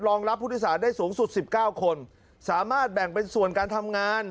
รองรับพุทธศาสตร์ได้สูงสุดสิบเก้าคนสามารถแบ่งเป็นส่วนการทำงาน